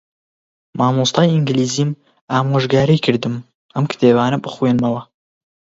مامۆستای ئینگلیزیم ئامۆژگاریی کردم ئەم کتێبانە بخوێنمەوە.